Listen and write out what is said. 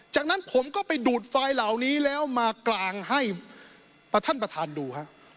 จากนั้นผมก็ไปดูดไฟเหล่านี้แล้วมากลางให้ท่านประธานดูฮะ